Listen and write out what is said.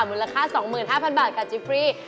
หมุนราคา๒๕๐๐๐บาทค่ะจิฟรี